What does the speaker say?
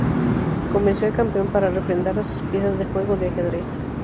Convenció al campeón para refrendar a sus piezas de juego de ajedrez.